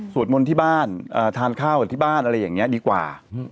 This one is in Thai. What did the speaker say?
มนต์ที่บ้านทานข้าวกับที่บ้านอะไรอย่างนี้ดีกว่า